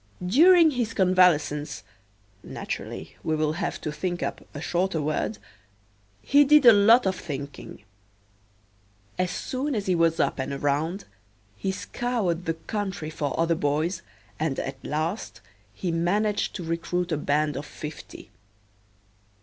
During his convalescence (naturally we will have to think up a shorter word) he did a lot of thinking. As soon as he was up and around he scoured the country for other boys and at last he managed to recruit a band of fifty.